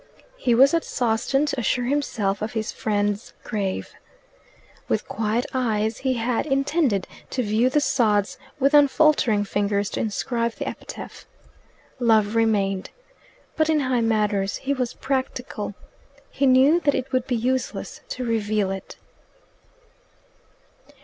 He was at Sawston to assure himself of his friend's grave. With quiet eyes he had intended to view the sods, with unfaltering fingers to inscribe the epitaph. Love remained. But in high matters he was practical. He knew that it would be useless to reveal it.